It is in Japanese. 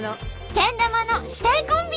けん玉の師弟コンビ！